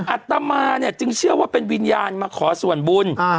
อัตตามาเนี่ยจึงเชื่อว่าเป็นวิญญาณมาขอสวรรค์บุญอ่าฮะ